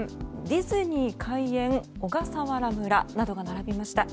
ディズニー開園、小笠原村などが並びました。